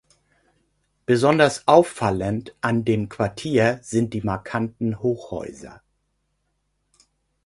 Besonders auffallend an dem Quartier sind die markanten Hochhäuser.